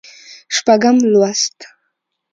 شپږم لوست